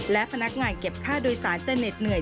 และพนักงานเก็บค่าโดยสารจะเหน็ดเหนื่อย